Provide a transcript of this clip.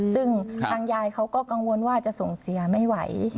ซึ่งทางยายเขาก็กังวลว่าจะส่งเสียไม่ไหว